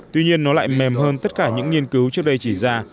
tuy nhiên nó lại mềm hơn tất cả những nghiên cứu trước đây chỉ ra